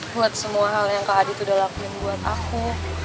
buat semua hal yang kak adit udah lakuin buat aku